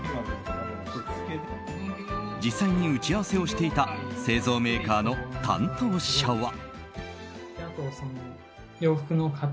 実際に打ち合わせをしていた製造メーカーの担当者は。